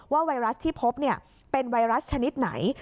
ไวรัสที่พบเป็นไวรัสชนิดไหน